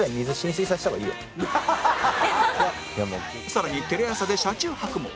更にテレ朝で車中泊も